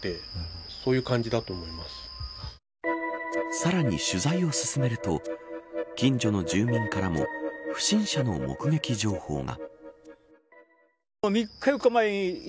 さらに取材を進めると近所の住民からも不審者の目撃情報が。